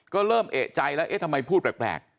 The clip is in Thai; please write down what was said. ก็เริ่มเอกใจแล้วเอ๊ะทำไมพูดแปลก